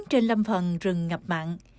trên lâm phần rừng ngập mặn